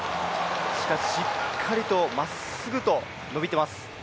しかししっかりとまっすぐと伸びてます。